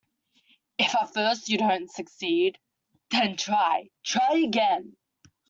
If at first you don't succeed, try, try again.